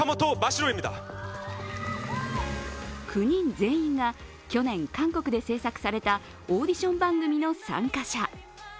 ９人全員が去年、韓国で制作されたオーディション番組の参加者。